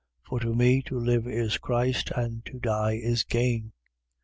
1:21. For to me, to live is Christ: and to die is gain.